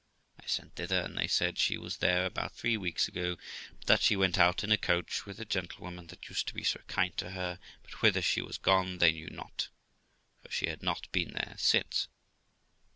I sent thither, and they said she was there about three weeks ago, but that she went out in a coach with the gentlewoman that used to be so kind to her, but whither she was gone they knew not, for she had not been there since.